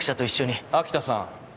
秋田さん。